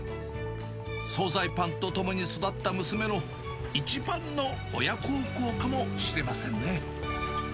総菜パンとともに育った娘の一番の親孝行かもしれませんね。